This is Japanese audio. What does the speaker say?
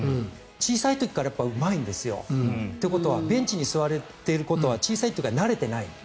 小さい時からうまいんですよ。ということはベンチに座れることは小さい時から慣れていない。